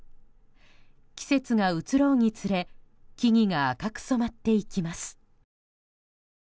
季節が移ろうにつれ木々が赤く染まっていきます。